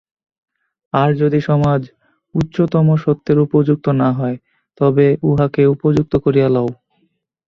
আর যদি সমাজ উচ্চতম সত্যের উপযুক্ত না হয়, তবে উহাকে উপযুক্ত করিয়া লও।